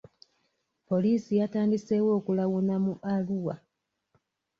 Poliisi yatandiseewo okulawuna mu Arua.